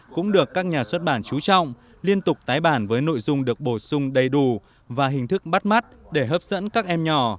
cũng được các nhà xuất bản chú trọng liên tục tái bản với nội dung được bổ sung đầy đủ và hình thức bắt mắt để hấp dẫn các em nhỏ